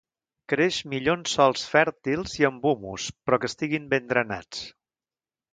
Creix millor en sòls fèrtils i amb humus, però que estiguin ben drenats.